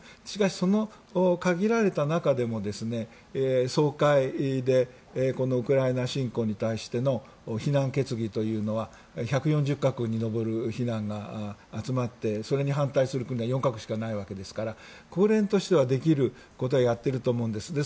しかし、その限られた中でも総会でウクライナ侵攻に対して非難決議というのは１４０か国に上る非難が集まってそれに反対する国が４か国しかないわけですから国連としては、できることはやっていると思うんです。